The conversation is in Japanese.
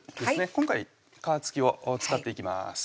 今回皮付きを使っていきます